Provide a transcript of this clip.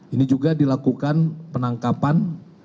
ini juga dilakukan penangkapan